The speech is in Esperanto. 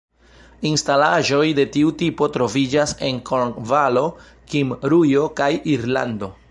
Instalaĵoj de tiu tipo troviĝas en Kornvalo, Kimrujo kaj Irlando.